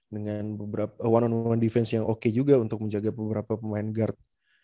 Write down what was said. dengan beberapa one on one defense yang oke juga untuk menjaga beberapa pemain guard